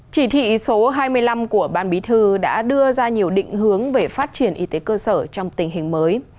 chỉ thị số hai mươi năm của ban bí thư đã đưa ra nhiều định hướng về phát triển y tế cơ sở trong tình hình mới